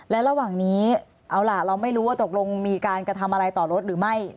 และระหว่างนี้เอาล่ะเราไม่รู้ว่าตกลงมีการกระทำอะไรต่อรถหรือไม่